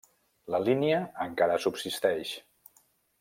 La línia encara subsisteix.